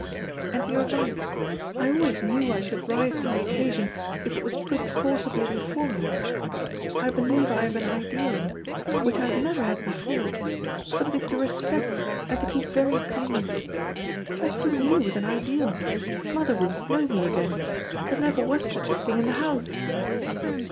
"And you are right; I always knew I should rise to the occasion if it was put forcibly before me. I believe I have an ideal which I have never had before something to respect and to keep very clean. Fancy me with an ideal! Mother wouldn't know me again there never was such a thing in the house."